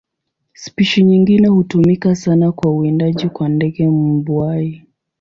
Spishi nyingine hutumika sana kwa uwindaji kwa ndege mbuai.